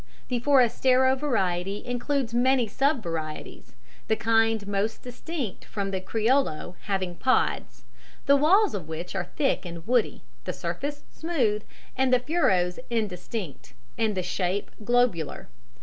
The forastero variety includes many sub varieties, the kind most distinct from the criollo having pods, the walls of which are thick and woody, the surface smooth, the furrows indistinct, and the shape globular.